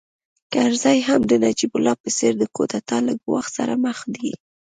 کرزی هم د نجیب الله په څېر د کودتا له ګواښ سره مخ دی